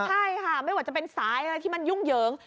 ใช่ค่ะไม่ว่าจะเป็นสายอะไรที่มันยุ่งเหยิง